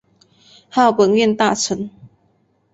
号本院大臣。